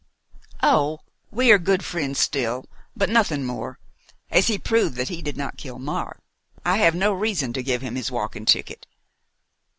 "Oh, we are good friends still, but nothing more. As he proved that he did not kill Mark, I've no reason to give him his walking ticket.